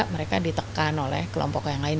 mereka ditekan oleh kelompok yang lain